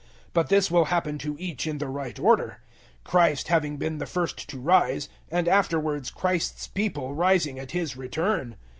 015:023 But this will happen to each in the right order Christ having been the first to rise, and afterwards Christ's people rising at His return.